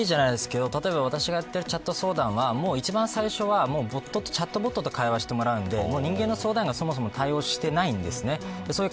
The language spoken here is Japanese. ＣｈａｔＧＰＴじゃないですが例えば私がやっているチャット相談は一番最初は、チャットボットと会話してもらうので人間の相談員がそもそも対応していないんです。